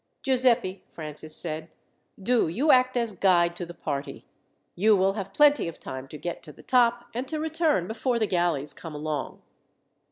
"Giuseppi," Francis said, "do you act as guide to the party. You will have plenty of time to get to the top and to return before the galleys come along."